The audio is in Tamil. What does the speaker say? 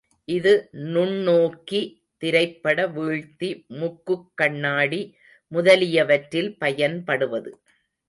இது நுண்ணோக்கி, திரைப்பட வீழ்த்தி முக்குக் கண்ணாடி முதலியவற்றில் பயன்படுவது.